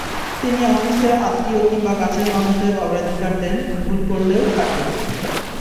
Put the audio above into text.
তিনি অফিসে আত্মীয় কিংবা কাছের মানুষদের অগ্রাধিকার দেন, ভুল করলেও ছাড় দেন।